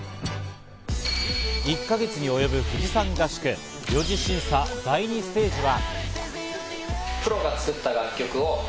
１か月に及ぶ富士山合宿、４次審査、第２ステージは。